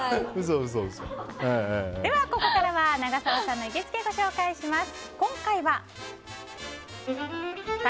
ではここからは長澤さんの行きつけをご紹介します。